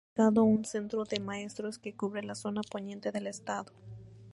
Aquí está ubicado un Centro de Maestros que cubre la zona poniente del estado.